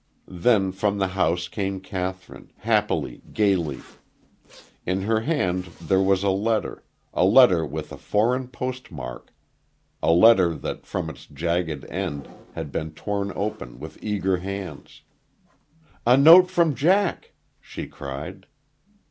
Then from the house came Kathryn, happily, gaily. In her hand there was a letter, a letter with a foreign post mark, a letter that, from its jagged end, had been torn open, with eager hands. "A note from Jack!" she cried.